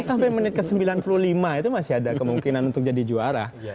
jadi kalau kita mau ke lima itu masih ada kemungkinan untuk jadi juara